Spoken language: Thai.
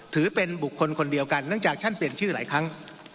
ถือเป็นบุคคลคนเดียวกันเนื่องจากท่านเปลี่ยนชื่อหลายครั้ง